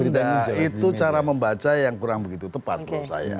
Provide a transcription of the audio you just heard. itu cara membaca yang kurang begitu tepat menurut saya